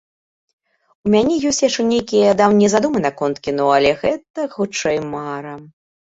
У мяне ёсць яшчэ нейкія даўнія задумы наконт кіно, але гэта, хутчэй, мара.